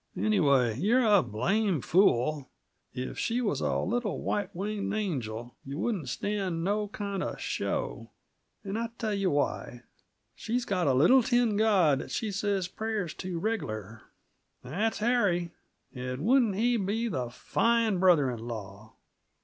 "Anyway, you're a blame fool. If she was a little white winged angel, yuh wouldn't stand no kind uh show; and I tell yuh why. She's got a little tin god that she says prayers to regular." "That's Harry. And wouldn't he be the fine brother in law?